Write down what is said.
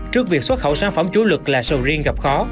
trước việc xuất khẩu sản phẩm chủ lực là sầu riêng gặp khó